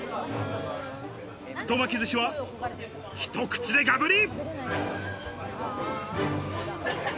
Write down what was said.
太巻き寿司は、ひと口でガブリ！